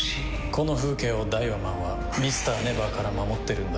この風景をダイワマンはＭｒ．ＮＥＶＥＲから守ってるんだ。